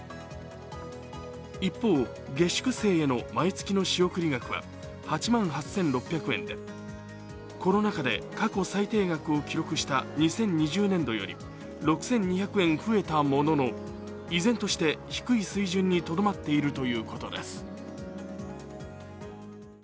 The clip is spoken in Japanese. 一方、下宿生への毎月の仕送り額は８万８６００円でコロナ禍で過去最低額を記録した２０２０年度より６２００円増えたものの依然として低い水準にとどまっているということです。